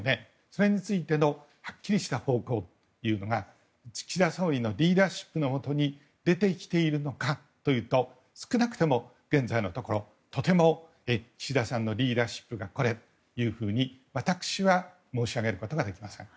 それについてのはっきりした方向というのが岸田総理のリーダーシップのもとに出てきているのかというと少なくとも、現在のところとても岸田さんのリーダーシップがこれというふうには私は申し上げることができません。